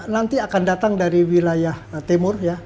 nanti akan datang dari wilayah timur ya